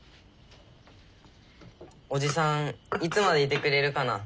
おじさんいつまでいてくれるかな？